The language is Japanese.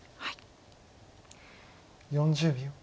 ４０秒。